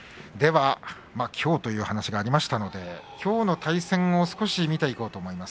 きょうという話がありましたのできょうの対戦を少し見ていこうと思います。